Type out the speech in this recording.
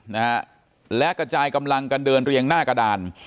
นะฮะและกระจายกำลังกันเดินเรียงหน้ากระดาน